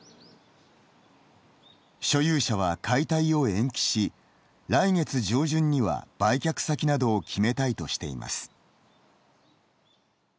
所有者は解体を延期し来月上旬には売却先などを決めたいとしています。